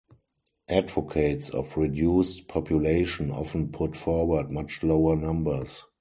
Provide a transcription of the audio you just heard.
Advocates of reduced population often put forward much lower numbers.